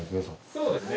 そうですね。